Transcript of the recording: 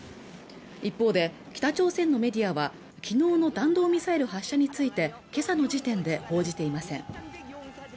一方で北朝鮮のメディアはきのうの弾道ミサイル発射について今朝の時点で報じていません